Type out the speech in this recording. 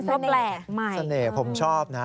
ร่มแหลกใหม่สะเน่ผมชอบนะ